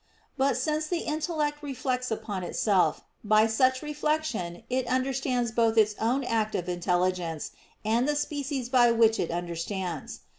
But since the intellect reflects upon itself, by such reflection it understands both its own act of intelligence, and the species by which it understands.